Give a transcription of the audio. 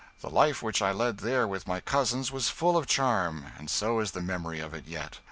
The life which I led there with my cousins was full of charm, and so is the memory of it yet.